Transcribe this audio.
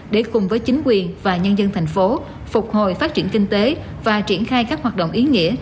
để cùng với chính quyền và nhân dân thành phố phục hồi phát triển kinh tế và triển khai các hoạt động ý nghĩa